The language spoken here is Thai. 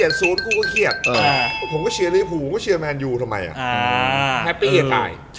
อันนี้ไม่ได้แชมป์ก็มีความสุข